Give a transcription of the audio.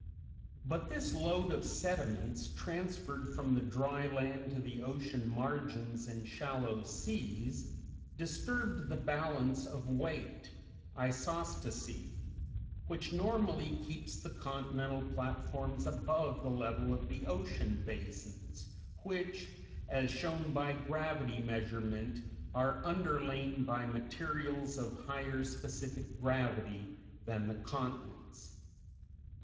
But this load of sediments, transferred from the dry land to the ocean margins and shallow seas, disturbed the balance of weight (isostasy) which normally keeps the continental platforms above the level of the ocean basins (which as shown by gravity measurement are underlain by materials of higher specific gravity than the continents).